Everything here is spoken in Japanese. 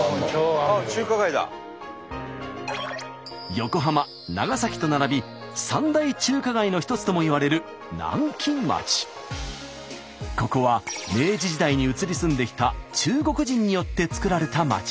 横浜長崎と並び３大中華街の一つともいわれるここは明治時代に移り住んできた中国人によってつくられた街です。